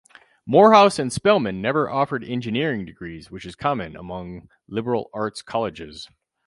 Morehouse and Spelman never offered engineering degrees which is common among liberal arts colleges.